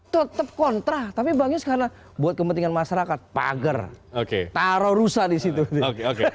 tetep kontra tapi banyak karena buat kepentingan masyarakat pager oke taruh rusak disitu oke oke